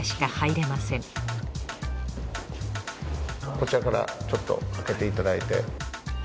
こちらからちょっと開けていただいて。